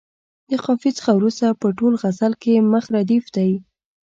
د قافیې څخه وروسته په ټول غزل کې مخ ردیف دی.